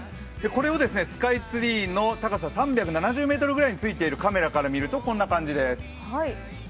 これをスカイツリーの３７０ｍの辺りについているカメラから見ると、こんな感じです。